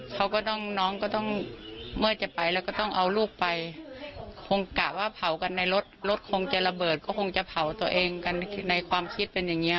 เขาก็ต้องน้องก็ต้องเมื่อจะไปแล้วก็ต้องเอาลูกไปคงกะว่าเผากันในรถรถคงจะระเบิดก็คงจะเผาตัวเองกันในความคิดเป็นอย่างเงี้